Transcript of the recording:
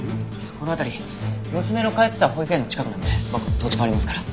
この辺り娘の通ってた保育園の近くなんで僕土地勘ありますから。